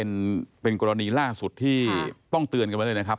เป็นกรณีล่าสุดที่ต้องเตือนกันไว้เลยนะครับ